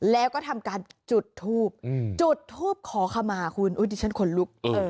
แล้วก็ทำการจุดทูบจุดทูปขอขมาคุณดิฉันขนลุก